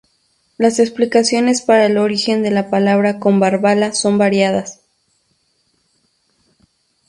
Las explicaciones para el origen de la palabra Combarbalá son variadas.